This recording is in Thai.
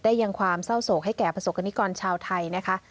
ยังความเศร้าโศกให้แก่ประสบกรณิกรชาวไทยนะคะ